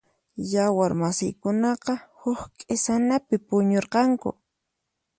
Yawar masiykunaqa huk q'isanapi puñurqanku.